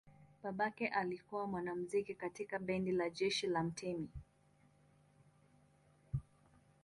Babake alikuwa mwanamuziki katika bendi la jeshi la mtemi.